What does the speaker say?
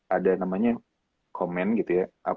ada namanya yang comment gitu ya